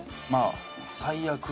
最悪？